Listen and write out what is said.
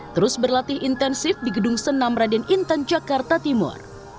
terus berlatih intensif di gedung senam raden intan jakarta timur